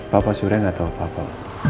papa surya gak tau apa apa